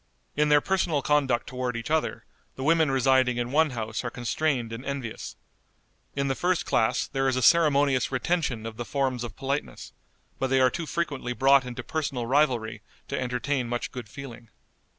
In their personal conduct toward each other the women residing in one house are constrained and envious. In the first class there is a ceremonious retention of the forms of politeness, but they are too frequently brought into personal rivalry to entertain much good feeling.